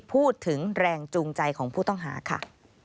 พูดถึงแรงจูงใจของผู้ต้องหาค่ะ